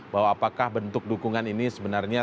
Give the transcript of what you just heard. bahwa apakah bentuk dukungan ini sebenarnya